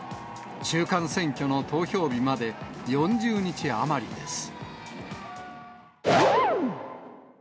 中間選挙の投票日まで４０日余りです。